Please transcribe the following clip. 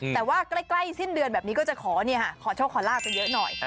แต่ว่าใกล้สิ้นเดือนแบบนี้ก็จะขอโชคขอลาบกันเยอะหน่อย